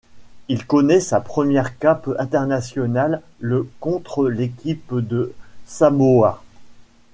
Il connaît sa première cape internationale le contre l'équipe de Samoa.